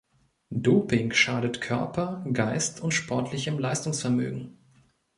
Doping schadet Körper, Geist und sportlichem Leistungsvermögen.